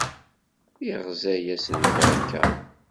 Iɣza-yas lberka.